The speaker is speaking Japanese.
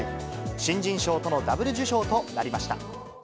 新人賞とのダブル受賞となりました。